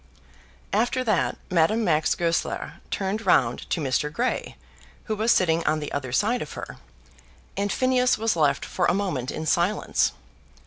After that Madame Max Goesler turned round to Mr. Grey, who was sitting on the other side of her, and Phineas was left for a moment in silence.